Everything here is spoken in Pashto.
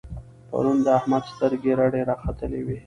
پرون د احمد سترګې رډې را ختلې وې.